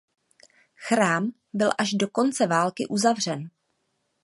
Chrám byl až do konce války uzavřen.